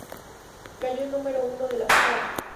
Cayó el número uno de las Farc.